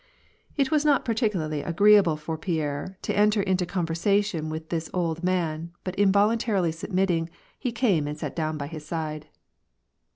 It was not particularly agreeable for Pierre to enter into conversation with this old man, but involuntarily submitting, he came and sat down by his side.